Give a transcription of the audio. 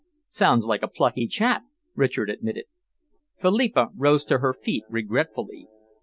"Sounds like a plucky chap," Richard admitted. Philippa rose to her feet regretfully.